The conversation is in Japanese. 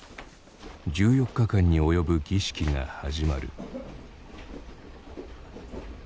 １４日間に及ぶ儀式が始まる。